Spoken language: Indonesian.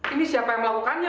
ini siapa yang melakukannya